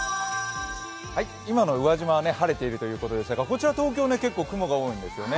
今の宇和島は晴れているということでしたが、こちら東京は結構、雲が多いんですね。